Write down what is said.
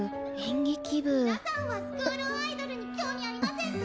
・皆さんはスクールアイドルに興味ありませんか？